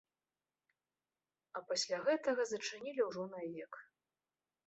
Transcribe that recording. А пасля гэтага зачынілі ўжо навек.